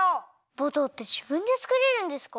バターってじぶんでつくれるんですか？